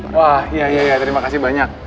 wah iya iya terima kasih banyak